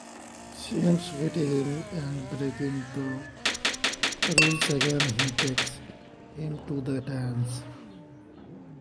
Simms pities him and, breaking the rules again, he takes him to the dance.